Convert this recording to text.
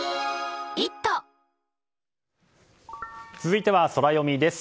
続いてはソラよみです。